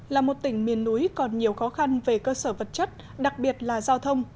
là một tỉnh miền núi còn nhiều khó khăn về cơ sở vật chất đặc biệt là giao thông